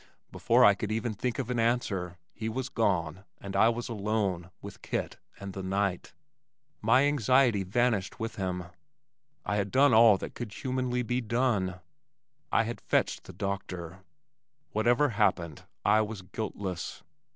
Before I could even think of an answer, he was gone and I was alone with Kit and the night. My anxiety vanished with him. I had done all that could humanly be done, I had fetched the doctor. Whatever happened I was guiltless.